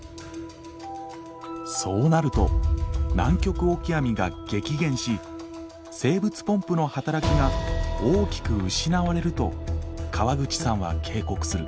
そうなるとナンキョクオキアミが激減し生物ポンプの働きが大きく失われると川口さんは警告する。